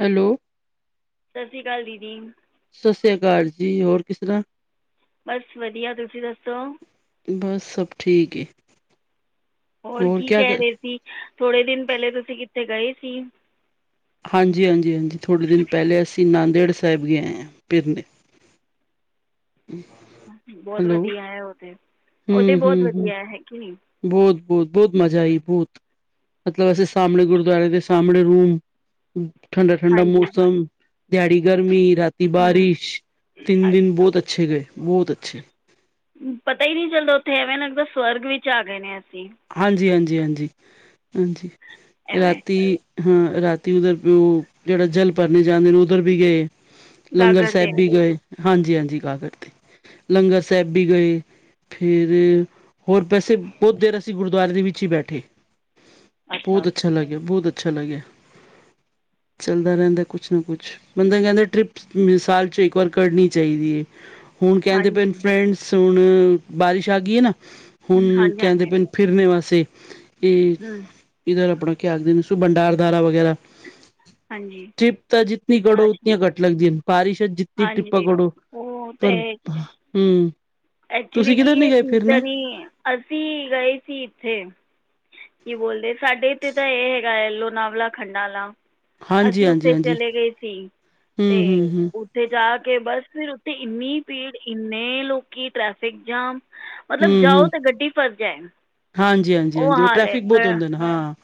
Hello? ਸਤਿ ਸ਼੍ਰੀ ਅਕਾਲ ਦੀਦੀ। ਸਤਿ ਸ੍ਰੀ ਅਕਾਲ ਜੀ ਹੋਰ ਕਿਸ ਤਰ੍ਹਾਂ ਬਸ ਵਧੀਆ ਤੁਸੀਂ ਦੱਸੋ? ਬਸ ਸਭ ਠੀਕੇ ਹੋਰ ਕੀ ਕਹਿ ਰਹੇ ਸੀ ਥੋੜੇ ਦਿਨ ਪਹਿਲੇ ਤੁਸੀਂ ਕਿੱਥੇ ਗਏ ਸੀ। ਹਾਂਜੀ ਹਾਂਜੀ ਹਾਂਜੀ ਥੋੜ੍ਹੇ ਦਿਨ ਪਹਿਲੇ ਅਸੀਂ ਨਾਂਦੇੜ ਸਾਹਿਬ ਗਏ ਹਾਂ ਫਿਰਨ [inaudible] ਹਮ। ਬਹੁਤ ਵਧੀਆ ਹੈ ਉਹ ਤੇ ਉਹ ਤੇ ਹੂੰ, ਹੂੰ, ਬਹੁਤ ਹੂੰ ਵਧੀਆ ਹੈਗੀ। ਬਹੁਤ ਬਹੁਤ ਬਹੁਤ ਮਜ਼ਾ ਆਈ ਬਹੁਤ ਮਤਲਬ ਅਸੀੇ ਸਾਹਮਣੇ ਗੁਰਦੁਆਰੇ ਦੇ ਸਾਹਮਣੇ ਰੂਮ ਠੰਡਾ ਠੰਡਾ ਹਾਂਜੀ ਮੌਸਮ ਦਿਹਾੜੀ ਗਰਮੀ ਰਾਤੀ ਹੂੰ ਬਾਰਿਸ਼ ਤਿੰਨ ਦਿਨ ਅੱਛਾ ਬਹੁਤ ਅੱਛੇ ਗਏ ਬਹੁਤ ਅੱਛੇ ਪਤਾ ਹੀ ਨਹੀਂ ਚੱਲਦਾ ਉੱਥੇ ਐਵੇਂ ਲੱਗਦਾ ਸਵਰਗਾ ਚ ਆ ਗਏ ਆ‌ ਅਸੀਂ। ਹਾਂਜੀ ਹਾਂਜੀ ਹਾਂਜੀ ਹਾਂਜੀ ਐਵੇਂ ਰਾਤੀ ਹਾਂ ਰਾਤੀ ਉਧਰ ਉਹ ਜਿਹੜਾ ਜਲ ਭਰਨ ਜਾਂਦੇ ਨੇ ਉੱਧਰ ਵੀ ਗਏ। ਲੰਗਰ ਗਾਗਰ 'ਤੇ ਸਾਹਿਬ ਵੀ ਗਏ ਹਾਂਜੀ ਹਾਂਜੀ ਕਾਗਰ ਤੇ ਲੰਗਰ ਸਾਹਿਬ ਵੀ ਗਏ ਫੇਰ ਹੋਰ ਪਾਸੇ ਬਹੁਤ ਦੇਰ ਅਸੀਂ ਗੁਰਦੁਆਰੇ ਦੇ ਵਿੱਚ ਹੀ ਬੈਠੇ ਬਹੁਤ ਅੱਛਾ ਲੱਗਿਆ ਬਹੁਤ ਅੱਛਾ ਲੱਗਿਆ। ਚਲਦਾ ਰਹਿੰਦਾ ਕੁਛ ਨਾ ਕੁਛ ਬੰਦਾ ਕਹਿੰਦਾ ਟ੍ਰਿਪ ਸਾਲ ਚ ਇੱਕ ਵਾਰ ਕਰਨੀ ਚਾਹੀਦੀ ਹੈ। ਹੁਣ ਕਹਿੰਦੇ ਪਏ ਹਾਂਜੀ ਫਰੈਂਡਸ ਹੁਣ ਬਾਰਿਸ਼ ਆ ਗਈ ਹੈ ਨਾ ਹਮ, ਹੁਣ ਹਾਂਜੀ ਕਹਿੰਦੇ ਹਾਂਜੀ ਪਏ ਫਿਰਨੇ ਵਾਸਤੇ ਇਹ ਹੂੰ ਇੱਧਰ ਆਪਣਾ ਕੀ ਆਖਦੇ ਨੇ ਸੁਭੰਡਾਰ ਦਾਰਾ ਵਗੈਰਾ ਹਾਂਜੀ ਟਿਪ ਤਾਂ ਜਿੱਤਨੀ ਘੜੋ ਅੱਛਾ ਉਤਨੀਆਂ ਘੱਟ ਲਗਦੀਆਂ ਬਾਰਿਸ਼ ਵਿੱਚ ਦਿ ਟਿਰਿਪਾ ਹਾਂਜੀ ਕਰੋ ਉਹ ਤਾਂ ਪਰ ਹਮਮ ਐਕਚੁਲੀ ਕੀ ਇਹ ਚੀਜ਼ ਦਾ ਨ ਅਸੀਂ ਗਏ ਸੀ ਇੱਥੇ ਕੀ ਬੋਲਦੇ ਸਾਡੇ ਇੱਥੇ ਤਾਂ ਇਹ ਹੈਗਾ ਆ ਲੋਨਾਵਲਾ ਖੰਡਾਲਾ ਹਾਂਜੀ, ਅਸੀਂ ਹਾਂਜੀ, ਉੱਥੇ ਹਾਂਜੀ। ਚਲੇ ਗਏ ਸੀ ਤੇ ਹੂੰ, ਹੂੰ, ਹੂੰ, ਉੱਥੇ ਜਾ ਕੇ ਬਸ ਫਿਰ ਉੱਥੇ ਇੰਨੀ ਭੀੜ ਇੰਨੇ ਲੋਕੀ ਟ੍ਰੈਫਿਕ ਜਾਮ ਮਤਲਬ ਹੂੰ, ਜਾਓ ਹੂੰ। ਤੇ ਗੱਡੀ ਫਸ ਜਾਏ ਹਾਂਜੀ ਹਾਂਜੀ ਹਾਂਜੀ ਉਹ ਹਾਲ ਹੈ ਟ੍ਰੈਫਿਕ ਬਹੁਤ ਗ- ਹੁੰਦੇ ਹਾਂ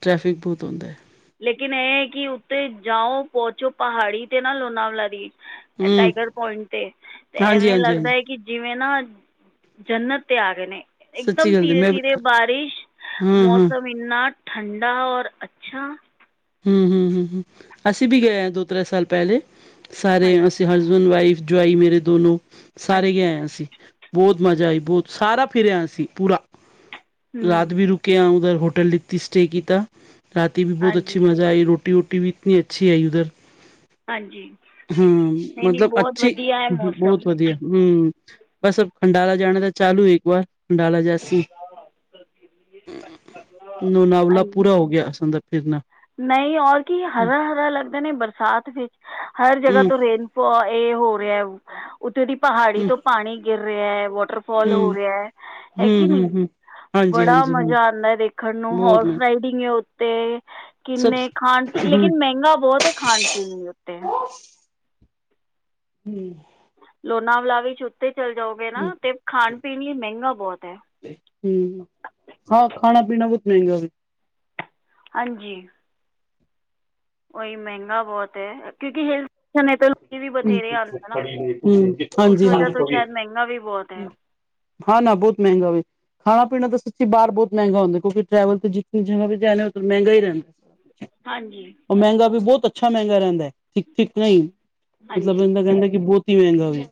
ਟ੍ਰੈਫਿਕ ਬਹੁਤ ਹੁੰਦੈ ਲੇਕਿਨ ਇਹ ਕਿ, ਉੱਤੇ ਜਾਓ ਪਹੁੰਚੋ ਪਹਾੜੀ ਤੇ ਨਾ ਲੋਨਾਵਾਲਾ ਦੀ ਇਹ ਹੂੰ, ਟਾਈਗਰ ਪੁਆਇੰਟ ਤੇ ਤੇ ਹਾਂਜੀ, ਐਵੇਂ ਹਾਂਜੀ, ਲੱਗਦਾ ਹਾਂਜੀ। ਹੈ ਕਿ, ਜਿਵੇਂ ਨਾ ਜਨਤ ਤੇ ਆ ਗਏ ਨੇ, ਸੱਚੀ ਇੱਕਦਮ ਗੱਲ ਜੀ, ਧੀਰੇ ਮੈਂ ਵੀ ਧੀਰੇ ਹਾਂ, ਬਾਰਿਸ਼ ਹਾਂ, ਹੂੰ, ਮੌਸਮ, ਇੰਨਾ ਠੰਡਾ ਔਰ ਅੱਛਾ, ਹੂੰ ਹੂੰ ਹੂੰ ਹੂੰ ਅਸੀਂ ਵੀ ਗਏ ਹਾਂ ਦੋ ਤ੍ਰੈ ਸਾਲ ਪਹਿਲੇ ਸਾਰੇ ਹਾਂਜੀ ਅਸੀਂ ਹ ਹਸਬੈਂਡ ਵਾਈਫ ਜੁਆਈ ਮੇਰੇ ਦੋਨੋ ਸਾਰੇ ਗ ਹਾਂਜੀ ਆਇਆ ਸੀ, ਬਹੁਤ ਮਜ਼ਾ ਆਈ ਬਹੁਤ ਸਾਰਾ ਫਿਰਿਆ ਅਸੀਂ ਪੂਰਾ ਹੂੰ ਰਾਤ ਵੀ ਰੁਕ ਕੇ ਆਉ ਹੋਟਲ ਦਿੱਤੀ ਸਟੇ ਕੀਤਾ ਰਾਤੀ ਵੀ ਬਹੁਤ ਅੱਛਾ, ਹਾਂਜੀ ਆਈ ਰੋਟੀ ਰੂਟੀ ਵੀ ਇਤਨੀ ਅੱਛੀ ਆਈ ਉਧਰ, ਹਾਂਜੀ ਹਾਂ ਨਹੀਂ ਨਹੀਂ ਮਤਲਬ ਬਹੁਤ ਅੱਛੀ ਵਧੀਆ ਹੈ ਮੌਸਮ ਬਹੁਤ ਵਧੀਆ, ਹਮ ਬਸ ਖੰਡਾਲਾ ਜਾਣਾ ਤਾਂ ਚਾਲੂ ਇੱਕ ਵਾਰ ਖੰਡਾਲਾ ਜਾਸੀ, ਲੋਨਾਵਲਾ ਹਾਂਜੀ ਪੂਰਾ ਹੋ ਗਿਆ ਅਸ਼ਾਂ ਦਾ ਫਿਰਨਾ, ਨਹੀਂ ਔਰ ਕੀ, ਹੂੰ ਹਰਾ ਹਰਾ ਲੱਗਦਾ ਨੇ ਬਰਸਾਤ ਵਿੱਚ ਹਰ ਜਗ੍ਹਾ ਹੂੰ ਤੋਂ ਰੇਨ ਇਹ ਹੋ ਰਿਹਾ, ਉੱਥੇ ਦੀ ਪਹਾੜੀ ਹੂੰ ਤੋਂ ਪਾਣੀ ਗਿਰ ਰਿਹਾ ਹੈ ਵਾਟਰ ਫੋਲ ਹੋ ਰਿਹਾ ਹੈ ਹੈ ਕਿ ਹੂੰ ਨੀ ਹੂੰ ਹੂੰ ਹਾਂਜੀ ਬੜਾ ਹਾਂਜੀ ਹਾਂ ਮਜ਼ਾ ਆਉਂਦਾ ਦੇਖ, ਦੇਖਣ ਨੂੰ ਬਹੁਤ ਹੋਰਸ ਮ ਰਾਈਡਿੰਗ ਹੈ ਉੱਤੇ, ਸਭ ਕਿੰਨੇ ਖਾਣ ਹੂੰ ਲੇਕਿਨ ਮਹਿੰਗਾ ਬਹੁਤ ਖਾਣ ਪੀਣ ਵੀ ਉੱਤੇ, ਹੂੰ ਲੋਨਾਵਲਾ ਵਿੱਚ ਚ ਉੱਤੇ ਚੱਲ ਜਾਓਗੇ ਨਾ ਤੇ ਖਾਣ ਪੀਣ ਲਈ ਮਹਿੰਗਾ ਬਹੁਤ ਹੈ ਹਮ ਹਾਂ ਖਾਣਾ ਪੀਣਾ ਬਹੁਤ ਮਹਿੰਗਾ ਵੇ ਹਾਂਜੀ, ਉਹੀ ਮਹਿੰਗਾ ਬਹੁਤ ਹੈ ਕਿਉਂਕਿ ਹਿਲ ਸਟੇਸ਼ਨ ਏ ਤੇ ਲੋਕੀ ਵੀ, ਬਥੇਰੇ ਹੂੰ ਆਦੇ ਨਾ ਉਸ ਹਾਂਜੀ ਹਾਂਜੀ ਵਜ੍ਹਾ ਤੋਂ ਸ਼ਾਇਦ ਮਹਿੰਗਾ ਵੀ ਬਹੁਤ ਹੈ ਹਾਂ ਨਾ ਬਹੁਤ ਮਹਿੰਗਾ ਵੇ। ਖਾਣਾ ਪੀਣਾ ਤਾਂ ਸੱਚੀ ਬਾਹਰ ਬਹੁਤ ਮਹਿੰਗਾ ਹੁੰਦਾ, ਕਿਉਂਕਿ ਟਰੈਵਲ ਦੀ ਜਗ੍ਹਾ ਜਿਵੇਂ ਉਧਰ ਮਹਿੰਗਾ ਹੀ ਰਹਿੰਦਾ [unintelligible] ਹਾਂਜੀ, ਉਹ ਮਹਿੰਗਾ ਵੀ ਬਹੁਤ ਅੱਛਾ ਮਹਿੰਗਾ ਰਹਿੰਦਾ ਹੈ ਠੀਕ ਠੀਕ ਨਹੀਂ ਮਤਲਬ ਬੰਦਾ ਕਹਿੰਦਾ ਕਿ ਬਹੁਤ ਹੀ ਮਹਿੰਗਾ ਵੇ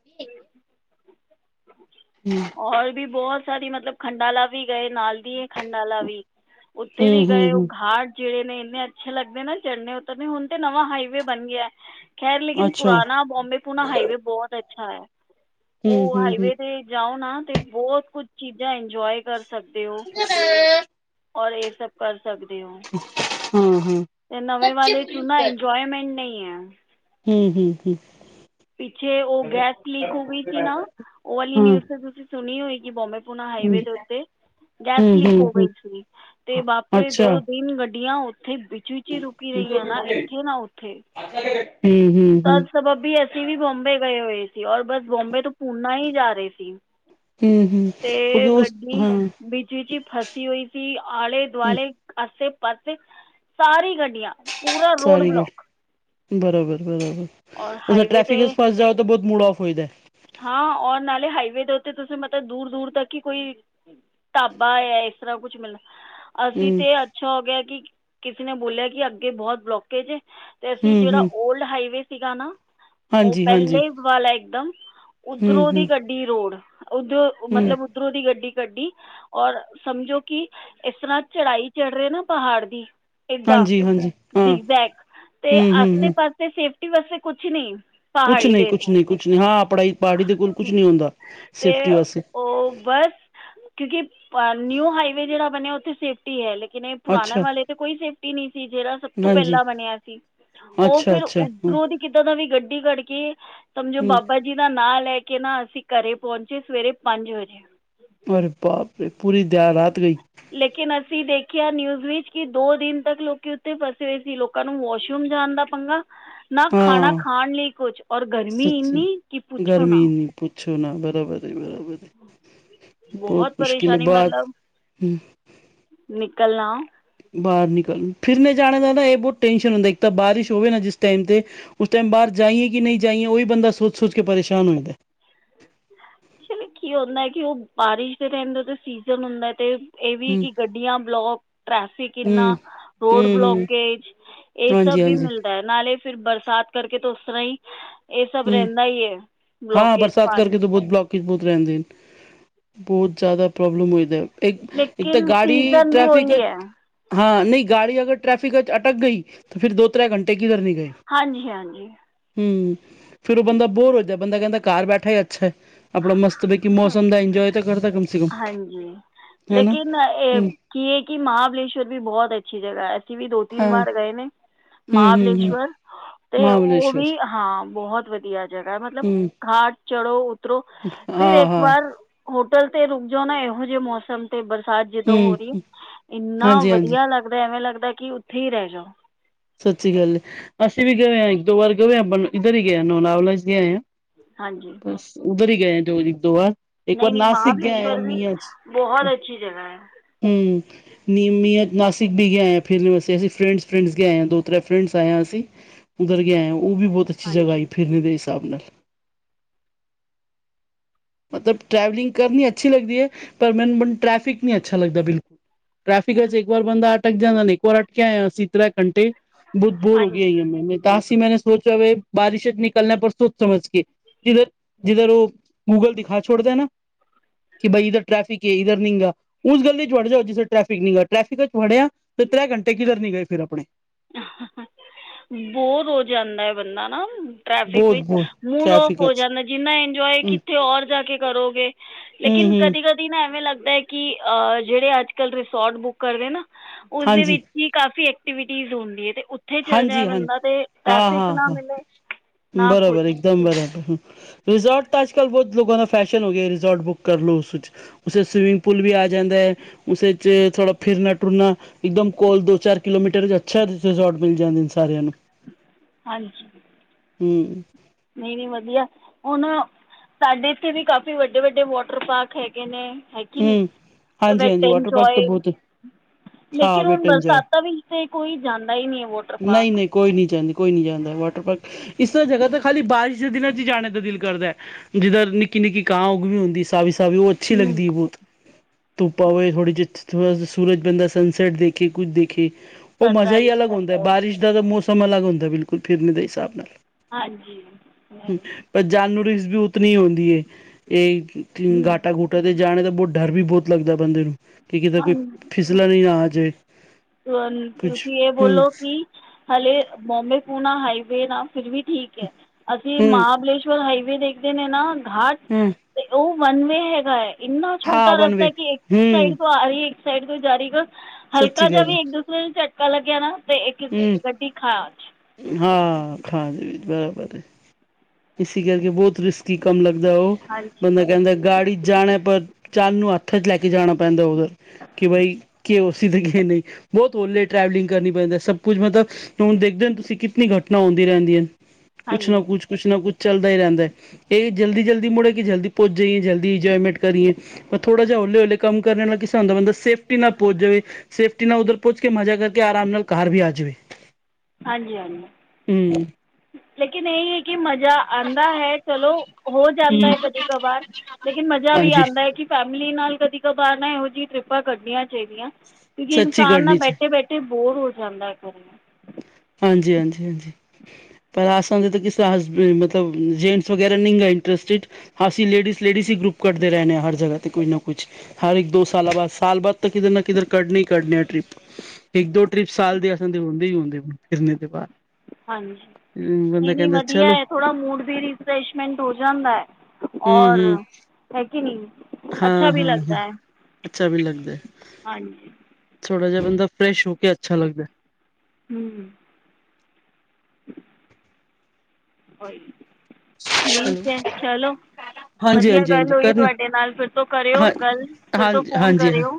ਔਰ ਵੀ ਬਹੁਤ ਸਾਰੀ ਮਤਲਬ ਖੰਡਾਲਾ ਵੀ ਗਏ ਨਾਲ ਦੀ ਏ ਖੰਡਾਲਾ ਵੀ, ਉੱਤੇ ਹੂੰ ਵੀ ਹੂੰ ਹੂੰ ਗਏ ਉਹ ਹੂੰ ਘਾਟ, ਜਿਹੜੇ ਨੇ ਇੰਨੇ ਅੱਛੇ ਲੱਗਦੇ ਨਾ ਚੜਨੇ ਉਤਰਨੇ ਹੁਣ ਤੇ ਨਵਾਂ ਹਾਈਵੇ ਬਣ ਗਿਆ, ਖੈਰ ਲੇਕਿਨ ਅੱਛਾ ਪੁਰਾਣਾ ਬੋਬੇ ਪੁੂਣਾ ਹਾਈਵੇ ਬਹੁਤ ਅੱਛਾ ਹੈ ਹੂੰ ਉਹ ਹੂੰ ਹੂੰ ਹਾਈਵੇ ਤੇ ਜਾਓ ਨਾ ਤੇ ਬਹੁਤ ਕੁਛ ਚੀਜ਼ਾਂ ਇੰਜੋਆਏ ਕਰ ਸਕਦੇ ਓ ਹਾਂ ਹਾਂ ਔਰ ਇਹ ਸਭ ਕਰ ਸਕਦੇ ਹੋ ਹਾਂ ਹਾਂ ਤੇ ਨਵੇਂ ਵਾਲੇ ਚੂ ਨਾ ਇੰਜੋਏਮੈਂਟ ਨਹੀਂ ਐ ਹੂੰ ਹੂੰ ਹੂੰ ਪਿੱਛੇ ਉਹ ਗੈਸ ਲੀਕ ਹੋ ਗਈ ਸੀ ਨਾ ਉਹ ਵਾਲੀ ਨਿਊਜ਼ ਤੇ ਤੁਸੀਂ ਸੁਣੀ ਹੋਏਗੀ ਕਿ ਬੋਬੇ, ਪੁਣ ਹਾਈਵੇ ਦੇ ਉਤੇ। ਗੈਸ ਲੀਕ ਹੂੰ ਹੋ ਗਈ ਹੂੰ ਸੀਗੀ ਤੇ ਵਾਪਰੇ ਅੱਛਾ ਦੋ ਤਿਨ ਗੱਡੀਆਂ। ਇੱਥੇ ਵਿੱਚ ਵਿਚ ਹੀ ਰੁਕੀ ਰਹੀ ਆ ਨਾ ਇੱਥੇ ਨਾ ਉੱਥੇ। ਹੱ ਲ [unintelligible] ਹਮ ਹਮ [unintelligible] ਤਾਂ ਸਬਬੀ ਅਸੀਂ ਵੀ ਬੋਮਬੇ ਗਏ ਹੋਏ ਸੀ ਔਰ ਬਸ ਬੋਮਬੇ ਤੋਂ ਪੂਨਾ ਹੀ ਜਾ ਰਹੇ ਸੀ। ਹੂੰ ਹੂੰ ਤੇ ਕਿਉਂਕਿ ਉਸ ਗੱਡੀ ਹਾਂ ਬ [unintelligible] ਚੀ ਚੀ ਫਸੀ ਹੋਈ ਸੀ ਆਲੇ ਦੁਆਲੇ ਆਸੇ ਪਾਸੇ ਸਾਰੀ ਗੱਡੀਆਂ। ਪੂਰਾ ਰੋਡ ਸਾਰੀ ਬਲੋਕ ਗੱਲ ਬਰਾਬਰ- ਔਰ ਬਰਾਬਰ। ਅ ਹਾਈਵੇ ਟ੍ਰੈਫਿਕ 'ਤੇ ਵਿਚ ਫਾਸ ਜਾਓ ਤੋ ਬਹੁਤ ਮੂੜ ਐਫ ਹੋਈਦਾ। ਹਾਂ, ਔਰ ਨਾਲੇ ਹਾਈਵੇ ਦੇ ਉੱਤੇ ਤੁਸੀਂ ਮਤਲਬ ਦੂਰ ਦੂਰ ਤੱਕ ਹੀ ਕੋਈ। ਢਾਬਾ ਹੈ ਇਸ ਤਰ੍ਹਾਂ ਕੁੱਛ ਮਿਲਣਾ। ਹੈ ਅਸੀਂ ਹੂੰ ਤੇ ਅੱਛਾ ਹੋ ਗਿਆ ਕਿ ਕਿਸੇ ਨੇ ਬੋਲਿਆ ਕਿ ਅੱਗੇ ਬਹੁਤ ਬਲੋਕੇਜ ਏ। ਤੇ ਹੂੰ ਅਸੀਂ ਜਿਹੜਾ ਹੂੰ ਐਲਡ ਹਾਈਵੇ ਸੀਗਾ ਨਾ ਉਹ ਹਾਂਜੀ ਹਾਂਜੀ ਪਹਿਲੇ ਵਾਲਾ ਇਕ ਦਮ। ਹੂੰ ਉਧਰੋਂ ਹੂੰ ਦੀ ਕੱਡੀ ਰੋਡ ਉਧਰੋਂ ਹੂੰ ਮਤਲਬ ਉੱਧਰੋਂ ਦੀ ਗੱਡੀ ਕੱਢੀ। ਔਰ ਸਮਝੋ ਕਿ ਇਸ ਤਰ੍ਹਾਂ ਚੜਾਈ ਚੜ੍ਹ ਰਹੇ ਨਾ ਬਹਾੜ ਦੀ। ਏਦਾ ਹਾਂਜੀ ਹਾਂਜੀ ਹਾਂ ਜਿਗਰ ਜੈਗ ਤੇ ਹੂੰ ਹੂੰ ਆਸੇ ਹੂੰ ਪਾਸੇ। ਤੇ ਸੇਫ਼ਟੀ ਵਾਸਤੇ ਕੁਛ ਨਹੀਂ। ਕੁਛ ਪਹਾੜੀ ਨਹੀਂ ਦੇ ਕੁਛ ਨਹੀਂ ਕੁਛ ਨਹੀਂ ਹਾਂ ਪੜ੍ਹਾਈ ਪਾਰਟੀ ਦੇ ਕੋਲ ਕੁਛ ਨਹੀਂ ਹੁੰਦਾ ਤੇ ਸੇਫਟੀ ਵਾਸਤੇ ਉਹ ਬਸ। ਕਿਉਂਕਿ ਅ ਨਿਊ ਹਾਈਵੇ ਜਿਹੜਾ ਬਣਿਆ ਉੱਥੇ ਸੇਫ। ਟੀ ਹੈ ਲੇਕਿਨ ਇਹ ਪੁਰਾਣੇ ਅੱਛਾ ਵਾਲੇ ਤੇ ਕੋਈ ਸੇਫਟੀ ਨਹੀਂ ਸੀ ਜਿਹੜਾ ਸਭ ਤੋਂ ਹਾਂਜੀ ਪਹਿਲਾਂ ਬਣਿਆ ਸੀ। ਉਹ ਅੱਛਾ ਫਿਰ ਅੱਛਾ ਹੂੰ ਉੱਧਰੋਂ ਦੀ ਕਿਦਾਂ ਦਾ ਵੀ ਗੱਡੀ ਕਰਕੇ ਸਮਝੋ ਹੂੰ ਬਾਬਾ। ਜਿਸ ਦਾ ਨਾਂ ਲੈ ਕੇ ਨਾ ਅਸੀਂ ਘਰੇ ਪਹੁੰਚੇ ਸਵੇਰੇ ਪੰਜ ਵਜੇ। ਅਰੇ ਬਾਪ ਰੇ ਪੂਰੀ ਦਰ ਰਾਤ ਗਈ। ਲੇਕਿਨ ਅਸੀਂ ਦੇਖਿਆ ਨਿਊਜ਼ ਵਿੱਚ ਕਿ ਦੋ ਦਿਨ ਤੱਕ ਲੋਕੀ ਉੱਥੇ ਫਸ ਰਏ ਸੀ ਲੋਕ। ਤਾਨੂੰ ਵੋਸ਼ਰੂਮ ਜਾਣ ਦਾ ਪੰਗਾ। ਨਾ ਖਾਨਾ ਹਾਂ ਖਾਣ ਲਈ ਕੁਛ ਐਰ ਗਰਮੀ ਸੱਚੀ ਇੰਨੀ ਕਿ ਪੁੱਛੋ ਨਾ। ਗਰਮੀ ਬਹੁਤ ਪਰੇਸ਼ਾਨੀ ਮਤਲਬ [unintelligible] ਨਿਕਲਣਾ। ਬਾਹਰ ਨਿਕਲ ਫਿਰਨੇ ਜਾਣੇ ਦਾ ਨਾ ਇਹ ਬਹੁਤ ਟੈਨਸ਼ਨ ਹੁੰਦਾ ਇੱਕ ਤਾਂ ਬਾਰਿਸ਼ ਹੋਵੇ ਨਾ ਜਿਸ ਟਾਈਮ ਤੇ। ਉਸ ਟਾਈਮ ਬਾਹਰ ਜਾਈਏ ਕਿ ਨਹੀਂ ਜਾਈਏ ਉਹੀ ਬੰਦਾ ਸੋਚ ਸੋਚ ਕੇ ਪਰੇਸ਼ਾਨ ਹੁੰਦਾ। ਚਲੋ ਕੀ ਹੁੰਦਾ ਹੈ ਕਿ ਉਹ ਬਾਰਿਸ਼ ਦੇ ਟਾਈਮ ਦਾ ਤੇ ਸੀਜਨ ਹੁੰਦਾ ਤੇ। ਇਹ ਵੀ ਹੂੰ ਕਿ ਗੱਡੀਆਂ ਬਲੋਕ ਟ੍ਰੈਫਿਕ ਇੰਨਾ ਹੂੰ ਰੋਡ ਹੂੰ ਹੂੰ ਬਲੋਕੇਜ। ਇਹ ਸਭ ਹਾਂਜੀ ਵੀ ਹਾਂਜੀ ਮਿਲਦਾ ਹੈ ਨਾਲੇ ਫਿਰ ਬਰਸਾਤ ਕਰਕੇ ਤਾਂ ਉਸ ਤਰ੍ਹਾਂ ਹੀ। ਇਹ ਸਭ ਹੂੰ ਰਹਿੰਦਾ ਹੀ ਏ ਹਾਂ ਬਲੋਕੇਜ ਬਰਸਾਤ ਕਰਕੇ ਪਾਣੀ। ਤਾਂ ਬਹੁਤ ਬਲੋਕੇਜ ਬਹੁਤ ਰਹਿੰਦੇ ਨੇ ਬਹੁਤ ਜ਼ਿਆਦਾ ਪ੍ਰੋਬਲਮ ਹੋਦਾ। ਇੱਕ ਇੱਕ ਤਾਂ ਲੇਕਿਨ ਗਾਡੀ ਸੀਜ਼ਨ ਵੀ ਟ੍ਰੈਫਿਕ। ਉਹੀ ਹੈ ਹਾਂ, ਨਹੀਂ ਗਾੜੀ ਅਗਰ ਟ੍ਰੈਫਿਕ ਵਿਚ ਅਟਕ ਗਈ ਤਾਂ ਫਿਰ ਦੋ ਤਰੈ ਘੰਟੇ ਕਿਧਰ ਨੀ ਗਏ। ਹਾਂਜੀ -ਹਾਂਜੀ। ਹਮ- ਹਮ। ਫਿਰ ਉਹ ਬੰਦਾ ਬੋਰ ਹੋ ਜਾਏ ਬੰਦਾ ਕਹਿੰਦਾ ਘਰ ਬੈਠਾ ਹੀ ਅੱਛੈ। ਆਪਣਾ ਮਸਤ ਬੇਕੀ ਮੌਸਮ ਦਾ ਇੰਜੋਏ ਤੇ ਕਰਦਾ ਕਮ ਸੇ ਕਮ ਹਾਂਜੀ ਹਨਾ ਲੇਕਿਨ ਇਹ ਹਮ। ਕੀ ਇਹ ਕਿ ਮਹਾਬਲੇਸ਼ਵਰ ਵੀ ਬਹੁਤ ਅੱਛੀ ਜਗ੍ਹਾ ਹੈ। ਇਹ ਵੀ ਦੋ ਤੀਨ ਹਾਂ ਵਾਰ ਗਏ ਨੇ ਹੂੰ ਹੂੰ ਹੂੰ ਮਹਾਬਲੇਸ਼ਵਰ। ਤੇ ਉਹ ਮਹਾਬਲੇਸ਼ਵਰ ਵੀ ਹਾਂ ਬਹੁਤ ਵਧੀਆ ਜਗ੍ਹਾ ਮਤਲਬ ਹੂੰ ਖਾਟ ਚੜੋ। ਫਿਰ ਹਾਂ ਇੱਕ ਹਾਂ ਵਾਰ ਹੋਟਲ ਤੇ ਰੁਕ ਜਾਓ ਨਾ ਇਹੋ ਜਿਹੇ ਮੌਸਮ ਤੇ ਬਰਸਾਤ ਜਦੋਂ ਹੋ ਹੂੰ ਰਹੀ ਇੰਨਾ ਹਾਂਜੀ ਹਾਂਜੀ ਵਧੀਆ ਲੱਗ ਲੱਗਦਾ ਐਵੇਂ ਲੱਗਦਾ ਕਿ ਉੱਥੇ ਹੀ ਰਹਿ ਜਾਓ। ਸੱਚੀ ਗੱਲ ਹੈ ਅਸੀਂ ਵੀ ਗਏ ਹਾਂ ਇੱਕ ਦੋ ਵਾਰ ਗਵੇ ਹਾਂ ਆਪਾਂ ਇਧਰ ਹੀ ਗਏ ਨੌਲਾਵਲਾ ਚ ਗਏ ਹਾਂ। ਹਾਂਜੀ। ਉਧਰ ਹੀ ਗਏ ਜੋ ਦੋ ਵਾਰ ਇੱਕ ਵਾਰ ਨਹੀਂ ਨਹੀਂ ਨਾਸਿਕ ਗਏ ਮਹਾਬਲੇਸ਼ਵਰ ਵੀ ਮੀਹ ਬਹੁਤ ਅੱਛੀ ਜਗ੍ਹਾ ਹੈ। ਹਮ। ਨਹੀਂ ਮੈਂ ਨਾਸਿਕ ਵੀ ਗਏਂ ਫਿਰ ਵਾਤੇ ਅਸੀਂ ਫਰੈਂਡਸ ਫਰੈਂਡਸਏ ਹਾਂ ਦੋ ਤੈ ਫਰੈਂਡਸ ਆਇਆਂ ਸੀ। ਉੱਧਰ ਗ ਆਏ ਉਹ ਵੀ ਬਹੁਤ ਅੱਛੀ ਜਗ੍ਹਾ ਹਾਂਜੀ ਸੀ ਫਿਰਨ ਦੇ ਹਿਸਾਬ ਨਾਲ। ਮਤਲਬ ਟਰੈਵਲਿੰਗ ਕਰਨੀ ਅੱਛੀ ਲੱਗਦੀ ਹੈ ਪਰ ਮੈਨੂੰ ਮੈਨੂੰ ਟ੍ਰੈਫਿਕ ਨੀ ਅੱਛਾ ਲੱਗਦਾ ਬਿਲਕੁਲ। ਟ੍ਰੈਫਿਕ ਚ ਇੱਕ ਵਾਰ ਬੰਦਾ ਅਟਕ ਜਾਦਾ ਇੱਕ ਵਾਰ ਅਟਕੇਿਆ ਅਸੀਂ ਤ੍ਰ ਘੰਟੇ ਬਹੁਤ ਬੋਰ ਹੋ ਹਾਂਜੀ ਗਿਆਈੈਂ ਤਾਸੀ ਮੈਂ ਸੋਚਵੇ ਬਾਰਿਸ਼ ਨਿਕਲਣਾ ਪਰ ਸੋਚ ਸਮਝ ਕੇ ਜਿਧਰ ਜਿਧਰ ਉਹ ਗੂਗਲ ਦਿਖਾ ਛੋੜਦਾ ਨਾ ਕਿ ਬਾਈ ਇਧਰ ਟ੍ਰੈਫਿਕ ਹੈ ਇਧਰ ਨੀਗਾ ਉਸ ਗੱਲੀ 'ਚ ਵੜ ਜਾਓ ਜਿਥੇ ਟ੍ਰੈਫਿਕੀ ਟ੍ਰੈਫਿਕ 'ਚ ਵੜਿਆ ਤੇ ਤਰੈ ਘੰਟੇ ਕਿਧਰ ਨੀ ਗਏ ਫਿਰ ਆਪਣੇ- ਬੋਰ ਹੋ ਜਾਂਦਾ ਹੈ। ਬੰਦਾ ਨਾ- ਟ੍ਰੈਫਿਕ ਬਹੁਤ ਵਿਚ ਬਹੁਤ ਮੂਡ ਆਫ ਟ੍ਰੈਫਿਕ ਹੋ ਚ ਜਾਦਾ ਜਿਨਾ ਇੰਜੋਏ ਹੂੰ ਕਿਥੇ ਔਰ ਜਾ ਕੇ ਕਰੋਗੇ- ਹੂੰ ਲੇਕਿਨ ਹੂੰ ਕਦੀ -ਕਦੀ- ਨਾ ਐਵੇ ਲਗਦਾ ਹੈ। ਕਿ ਅਹ ਜਿਹੜੇ ਅਜ ਕਲ ਰਿਸੋਰਟ ਬੁੱਕ ਕਰਦੇ ਨਾ ਉਸਦੇ ਹਾਂਜੀ ਵਿਚ- ਕੀ ਕਾਫੀ ਐਕਟੀਵਿਟੀਜ਼ ਹੁੰਦੀ ਹੈ। ਤੇ- ਉਥੇ ਚੱਲ ਹਾਂਜੀ ਜਾਏ ਹਾਂਜੀ ਬੰਦਾ ਤੇ ਹਾਂ ਟ੍ਰੈਫਿਕ ਨਾ ਮਿਲੇ ਨਾ ਕੁਛ- ਮ ਬਰਾਬਰ ਹ ਰਿਜ਼ੋਰਟ ਤਾਂ ਆੱਜ ਕਲ ਬਹੁਤ ਲੋਕਾਂ ਦਾ ਫੈਸ਼ਨ ਹੋ ਗਿਆ ਰਿਸੋਰਟ ਬੁੱਕ ਕਰ ਲੋ ਉਸ- ਉੇ ਸਵਿਮਿੰਗ ਪੂਲ ਵੀ ਆ ਜਾਦਾ ਹੈ। ਥੋੜਾ ਫਿਰਨਾ ਟੁਰਨਾ ਇਕਦਮ ਕੋਲ ਦੋ ਚਾਰ ਕਿਲੋਮੀਟਰ ਅਛਾ ਸ਼- ਮਿਲ ਜਾਦੇ ਨੇ ਸਾਰਿਆਂ ਨੂੰ- ਹਾਂਜੀ- ਹੂੰ - ਦੀਦੀ ਵਧੀਆ ਹੁਣ ਨਾ ਸਾਡੇ ਇਥੇ ਵੀ ਕਾਫੀ ਵਡੇ- ਵਡੇ ਵੋਟਰ ਪਾਰਕ ਹੈਗੇ ਨੇ- ਹਾਂਜੀ ਹੂੰ ਦੀਦੀ ਹਾਂਜੀ ਹਾਂਜੀ ਵਾਟਰ ਪਾਰਕ ਤਾਂ ਵੈਟਨਜੋਏ- ਬਹੁਤ ਹਾਂ ਲੇਕਿਨ ਹੁਣ ਵੇਟ ਐਂਜੋਏ ਬਰਸਾਤਾਂ ਵਿਚ ਤੇ ਕੋਈ ਜਾਦਾ ਹੀ ਨਹੀ ਹੈ। ਵੋਟਰ ਨਹੀਂ ਪਾਰਕ- ਨਹੀਂ ਕੋਈ ਨਹੀ ਜਾਂਦਾਕੋਈ ਨਹੀ ਜਾਂਦਾ ਵਾਟਰ ਪਾਰਕ ਇਸ ਤਾਂਰਾ ਖਾਲੀ ਬਾਰਿਸ਼ ਦੇ ਦਿਨਾਂ 'ਚ ਜਾਣ ਦਾ ਦਿਲ ਕਰਦਾ- ਜਿਦਰ ਨਿਕੀ- ਨਿਕੀ ਘਾਹ ਉਗ ਵੀ ਹੁੰਦੀ ਸਾਵੀ- ਸਾਵੀ ਉਹ ਅਛੀ ਹੂੰ ਲਗਦੀ- ਤੁਪਾ ਹੋਏ ਥੋੜੀ ਜਿਥ ਥੋੜਾ ਸੂਰਜ ਬੰਦਾ ਸਨਸੇਟ ਦੇਖੇ ਕੁਛ ਦੇਖੇ- ਉਹ ਮਜਾ ਹੀ ਸਨਰਾਈਜ਼ ਅਲਗ ਹੁੰਦਾ ਹੈ। ਸਨਸੈਟ ਬਾਰਿਸ਼ ਦਾ ਤਾਂ ਮੌਸਮ ਅਲਗ ਹੁੰਦਾ ਬਿਲਕੁਲ ਫਿਰਨ ਦੇ ਹਿਸਾਬ ਨਾਲ- ਹਾਂਜੀ। ਪਰ ਜਾਨਵਰ ਵੀ ਉਤਨੀ ਹੁੰਦੀ ਇਹ ਹੂੰ ਗਾਟਾ ਗੁਟਾ- ਜਾਣੇ ਦਾ ਬਹੁਤ ਡਰ ਵੀ ਬਹੁਤ ਲਗਦਾ ਬੰਦੇ ਨੂੰ ਕਿ ਕਿਤੇ ਕੋਈ ਫਿਸਲਾ ਨ ਨਾ ਆਜੇ- ਤੁਸੀ ਇਹ ਬੋਲੋ ਕਿ ਹਾਲੇ ਬੋਂਮਬੇ ਪੂਣਾ ਹਾਈਵੇ ਨਾ ਫਿਰ ਵੀ- ਠੀਕ ਹੈ। ਅਸੀ ਹੂੰ ਮਹਾਗਲੇਸ਼ਰ ਹਾਈਵੇ ਦੇਖਦੇ ਨੇ ਨਾ ਘਾਟ- ਹੂੰ ਤੇ ਉਹ ਵਨ ਵਵੇ ਹੈਗਾ ਹੈ। ਇਨਾ ਛੋਟਾ ਹਾਂ ਵਨ ਰਸਤਾ ਵੇ ਕਿ ਇਕ ਹੂੰ ਸਾਈਡ ਤੋ ਆ ਰਹੀ- ਸਾਈਡ ਤੋਂ ਜਾਏ ਗਾ- ਸਤਿ੍ ਸ਼੍ਰੀ ਅਕਾਲ। ਦੂਸਰੇ ਦਿਨ ਝਟਕਾ ਲਗਿਆ ਨਾ ਤੇ ਇਕ ਗੱਡੀ ਖਾ- ਖਾ [unintelligible] ਜ ਬਰਾਬਰ ਇਸ ਲਿਯੇ ਕਿ ਬੋਤ ਰਿਸਕੀ ਕਮ ਲਗਦਾ ਉ ਹਾਂਜੀ ਮੈਨੂ ਕਹਿਦਾ ਗਾੜੀ ਜਾਣਾ ਪਰ- ਚੰਦ ਨੂੰ ਹੱਥ ਚ ਲੈ ਕੇ ਜਾਨਾ ਪੈਂਦਾ ਹੋਵੇ- ਕਿ ਬਈ ਕਿ ਹੋ ਸੀ ਤੇ ਕਿ ਨਹੀ ਬੋਤ ਹੋਲੇ ਟਰੈਵਲਿੰਗ ਕਰਨੀ ਪੈਂਦੀ ਸਭ- ਕੁੱਝ ਮਤਲਬ ਹੁਣ ਦੇਖਦੇ ਹੋ ਨਾ ਤੁਸੀ ਕਿਤਨੀ ਘਟਨਾ ਹੋਂਦੀ ਰਹਿੰਦੀ ਅ ਕੁਛ ਨਾ ਹਾਂਜੀ ਕੁਛ- ਕੁਛ ਨਾ ਕੁਛ ਚਲਦਾ ਹੀ ਰੈਂਦਾ ਅ। ਇਹ ਜਲਦੀ- ਜਲਦੀ ਮੁੜੇ ਕਿ ਜਲਦੀ- ਪੋਚ ਜਾਈਏ ਜਲਦੀ ਇਨਜੋਯਮੇਟ ਕਰੀਏ ਪਰ ਥੋੜਾ ਜਾ ਹੋਲੇ- ਹੋਲੇੇ- ਕਮ ਕਰਨ ਵਾਲ ਕਿਸੇ ਹੁੰਦਾ ਸੇਫਟੀ ਨਾਲ ਪਹੁੰਚ ਜਾਵੇ ਸੇਫਟੀ ਨਾਲ ਉਧਰ ਪੋਂਚ ਕੇ ਮਜ਼ਾ ਕਰਕੇ ਆਰਾਮ ਨਾਲ ਕਾਰ ਵੀ ਆ ਜਾਵੇ- ਜਵੇ- ਹਾਂਜੀ -ਹਾਂਜੀ ਲੇਕਿਨ ਏਹੀ ਹੈ। ਕਿ ਮਜ਼ਾ ਆਂਦਾ ਹੈ। ਚਲੋ- ਹੋ ਜਾਦਾ ਹੂੰ, ਹੈ ਕਦੇ ਕਵਾਰ ਲੇਕਿਨ ਮਜਾ ਵੀ ਹਾਂਜੀ ਆਂਦਾ ਹੈ ਕਿ- ਫੈਮਿਲੀ ਨਾਲ ਕਦੀ ਕਬਾਰ ਨਾ ਇਹੋ ਜਿਹੀ ਟ੍ਰਿਪਾਂ ਕੱਢੀਆਂ ਚਾਹੀਦੀਆਂ ਕਿਉਕਿ ਸੱਚੀ ਇਨਸਾਨ ਨਾ ਗੜਨੀ ਚ ਬੈਠੇ-ਬੈਠੇ ਤੇ ਬੋਰ ਹੋ ਜਾਂਦਾ ਹੈ। ਕਰਨਾ ਹਾਂਜੀ-ਹਾਂਜੀ-ਹਾਂਜੀ- ਪਰ ਅਸਾ ਵੀ ਤੇ ਕਿਸੇ ਦਾ ਹਸਬੈਡ, ਮਤਲਬ ਜੈਟਸ ਵਗੈਰਾ ਨਿ ਹ ਇੰਟਰਸਟਿਡ- ਅਸੀ ਲੇਡੀਜ- ਲੇਡੀਜ ਹੀ ਗਰੁਪ ਕੱਢਦੇ ਰਹਹੇ ਹਾਂ ਹਰ ਜਗ੍ਹਾ ਤੇ ਕੋਈ ਨਾ ਕੁਛ- ਹਰ ਇਕ ਦੋ ਸਾਲਾਂ ਬਾਅਦ ਸਾਲ ਬਾਅਦ ਤਾਂ ਕਿਦਰੇ ਨਾ ਕਿਦਰੇ ਕੱਡਨਾ ਇ ਕਡਨਾ ਟ੍ਰਿਪ- ਇਕ ਦੋ ਟ੍ਰਿਪ ਸਾਲ ਦੇ ਹੁੰਦੇ ਇ ਹੁੰਦੇ ਨੇ ਫਿਰਨ ਤੋ ਬਾਅਦ- ਹਾਂਜੀ- ਹਮ ਨੀ- ਬੰਦਾ ਨੀ ਕਹਿੰਦਾ ਵਧੀਆ ਚਲੋ ਅ। ਥੋੜ੍ਹਾ ਮੂਡ ਵੀ ਰੀਫਰੈਸ਼ਮੈਂਟ ਹੋ ਜਾਦਾ ਅ। ਹਮ ਹਮ ਔਰ- ਹੈ ਕਿ ਨੀ? ਹਾਂ! ਹਾਂ! ਹਾਂ! ਅੱਛਾ ਵੀ ਲੱਗਦਾ। ਹਾਂਜੀ! ਥੋੜਾ ਜਾ ਬੰਦਾ ਫਰੈਸ਼ ਹੋ ਕੇ ਅੱਛਾ ਲੱਗਦਾ। ਹੂੰ! ਹੈਲੋ ਠੀਕ ਏ ਚਲੋ। ਹਾਂਜੀ ਵਦੀਆ ਹਾਂਜੀ ਗੱਲ ਹਾਂਜੀ ਹੋਈ ਕਰਨੀ ਤੁਹਾਡੇ ਨਾਲ ਫਿਰ ਤੋਂ ਕਰਯੋ ਹਾਂ ਗੱਲ ਫਿਰ ਤੋਂ ਫ਼ੋਨ ਕਰਯੋ।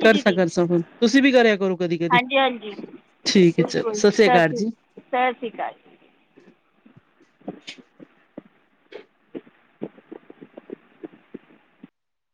ਕਰ ਸਾ-ਕਰ ਸਾ ਫੋਨ, ਤੁਸੀਂ ਵੀ ਕਰਯਾ ਕਰੋ ਕਦੀ-ਕਦੀ। ਹਾਂਜੀ-ਹਾਂਜੀ ਠੀਕ ਅ ਚਲੋ। ਸਸ ਰਿਆ ਕਾਲ ਜੀ। ਸ ਸੀ ਕਾਲ।